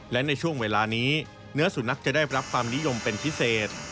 และในช่วงเวลานี้เนื้อสุนัขจะได้รับความนิยมเป็นพิเศษ